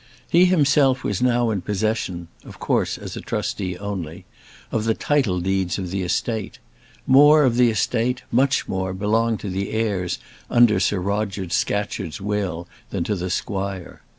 He himself was now in possession of course as a trustee only of the title deeds of the estate; more of the estate, much more, belonged to the heirs under Sir Roger Scatcherd's will than to the squire.